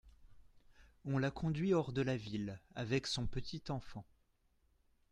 On la conduit hors de la ville, avec son petit enfant.